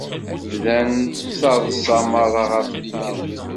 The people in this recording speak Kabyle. Bdan ttaḍsan merra ɣef tikelt.